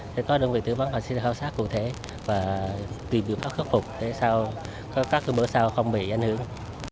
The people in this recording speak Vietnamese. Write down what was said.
thì có đơn vị tư vấn họ sẽ khảo sát cụ thể và tìm hiệu pháp khắc phục để sao có các bữa sau không bị ảnh hưởng